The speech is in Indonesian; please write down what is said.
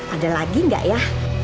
ada lagi enggak ya